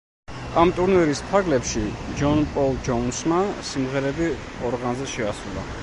ამ ტურნირის ფარგლებში ჯონ პოლ ჯოუნსმა სიმღერები ორღანზე შეასრულა.